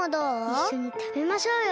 いっしょにたべましょうよ。